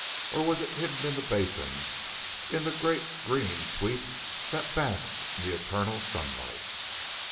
Or was it hidden in the basin, in the great, green sweep that basked in the eternal sunlight?